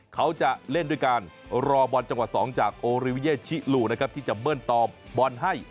เขาจะเล่นด้วยการรอบอลจังหวัด๒จากโอริวิเยชิลูนะครับที่จะเบิ้ลตอมบอลให้